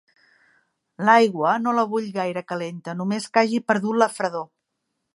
L'aigua, no la vull gaire calenta: només que hagi perdut la fredor.